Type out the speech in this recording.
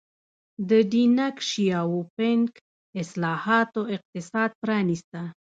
د ډینګ شیاوپینګ اصلاحاتو اقتصاد پرانیسته.